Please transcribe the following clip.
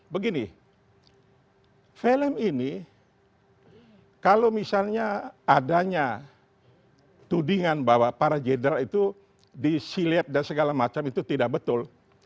begini film ini kalau misalnya adanya tudingan bahwa para jenderal itu disiliat dan segala macam itu tidak betul